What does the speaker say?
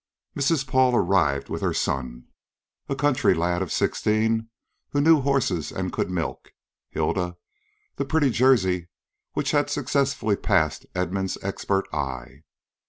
Mrs. Paul arrived with her son, a country lad of sixteen who knew horses and could milk Hilda, the pretty Jersey which had successfully passed Edmund's expert eye.